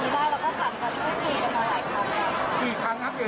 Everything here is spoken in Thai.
เราก็ถามคุยกันมาหลายครั้งแล้ว